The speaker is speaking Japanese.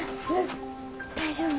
大丈夫？